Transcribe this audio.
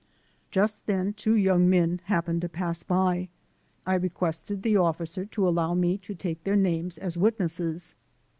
Just then two young men happened to pass by. I requested the officer to allow me to take their names as witnesses.